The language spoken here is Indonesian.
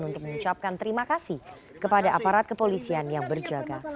untuk mengucapkan terima kasih kepada aparat kepolisian yang berjaga